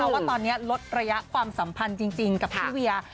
ว่าตอนนี้ลดระยะความสัมพันธ์จริงกับพี่เวีย